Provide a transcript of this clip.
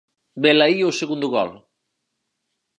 Velaí o segundo gol.